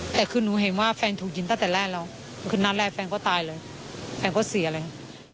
แต่คือหนูเห็นว่าแฟนถูกยิงตั้งแต่แรกแล้วคือนัดแรกแฟนก็ตายเลยแฟนก็เสียเลย